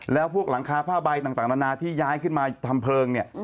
แล้วพวกหลังคาผ้าใบต่างนานาที่ย้ายขึ้นมาทำเพลิงเนี่ย